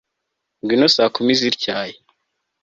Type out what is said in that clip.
ngwino saa kumi zityaye